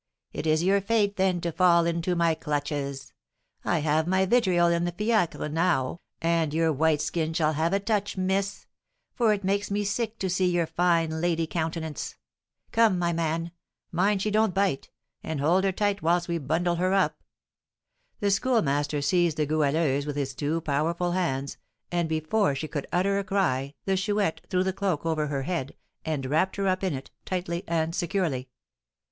It is your fate, then, to fall into my clutches! I have my vitriol in the fiacre now, and your white skin shall have a touch, miss; for it makes me sick to see your fine lady countenance. Come, my man, mind she don't bite; and hold her tight whilst we bundle her up." The Schoolmaster seized the Goualeuse in his two powerful hands, and before she could utter a cry the Chouette threw the cloak over her head, and wrapped her up in it, tightly and securely.